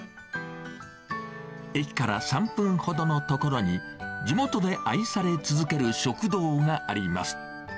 駅から３分ほどの所に、地元で愛される続ける食堂があります。